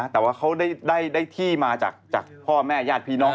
แต่ว่าเขาได้ที่มาจากพ่อแม่ญาติพี่น้อง